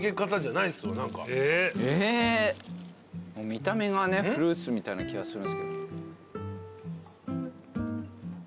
見た目がフルーツみたいな気がするんすけど。